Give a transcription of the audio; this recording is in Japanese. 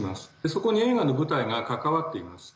そこに映画の舞台が関わっています。